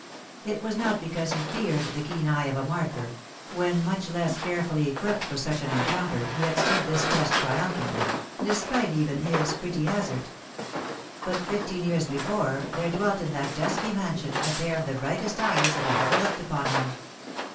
It was not because he feared the keen eye of a marker — when much less carefully equipped for such an encounter, he had stood this test triumphantly (despite even his '■'■pretty hazard "). But fifteen years before, there dwelt in that dusky mansion, a pair of the very brightest eyes that had ever looked upon liim.